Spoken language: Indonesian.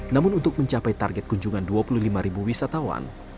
namun untuk mencapai target kunjungan dua puluh lima wisatawan